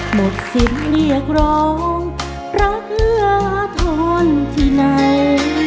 หมดศิลป์เรียกร้องรักเหลือทนที่ไหน